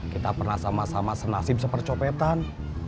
kita pernah sama sama senasib sepercopetan